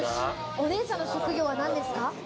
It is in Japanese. お姉さんの職業は何ですか？